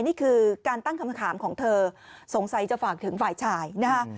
นี่คือการตั้งคำถามของเธอสงสัยจะฝากถึงฝ่ายชายนะฮะ